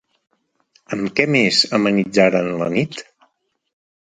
Amb què més amenitzaren la nit?